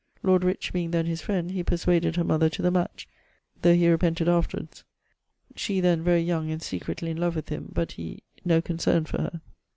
Lord Ri[ch] being then his friend, he perswaded her mother to the match, though he repented afterwards: she then very young and secretly in love with him but he no consern for her.